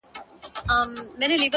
هغه غزلخُمارې ته ولاړه ده حيرانه;